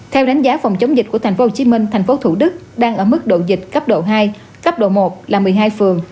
theo đánh giá phòng chống dịch của tp hcm thành phố thủ đức đang ở mức độ dịch cấp độ hai cấp độ một là một mươi hai phường